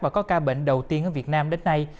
và có ca bệnh đầu tiên ở việt nam đến nay